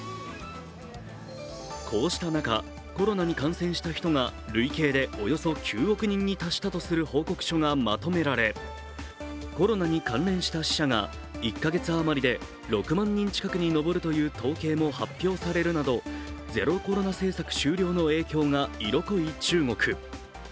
こうした中、コロナに感染した人が累計でおよそ９億人に達したという報告書がまとめられ、コロナに関連した死者が１カ月余りで６万人近くに上るという統計も発表されるなどゼロコロナ政策終了の影響が色濃い中国。